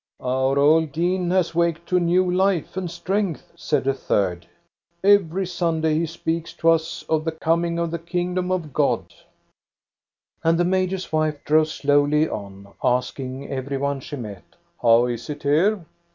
*' Our old dean has waked to new life and strength," said a third. '* Every Sunday he speaks to us of the coming of the Kingdom of God. " MARGARETA CELSING 457 And the major's wife drove slowly on, asking every one she met: " How is it here?